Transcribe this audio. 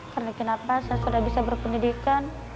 karena kenapa saya sudah bisa berpendidikan